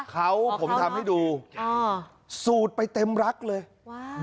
เขาผมทำให้ดูอ่าสูดไปเต็มรักเลยว้าว